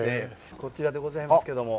こちらでございますけども。